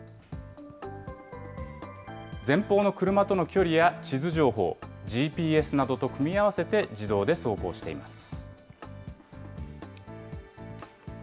前方の車との距離や地図情報、ＧＰＳなどと組み合わせて、自動で走行しています。